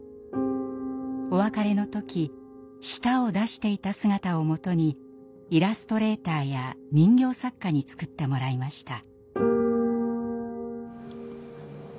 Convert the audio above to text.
お別れの時舌を出していた姿をもとにイラストレーターや人形作家に作ってもらいました。